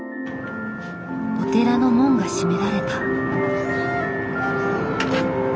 お寺の門が閉められた。